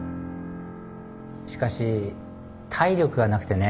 しかし体力がなくてね。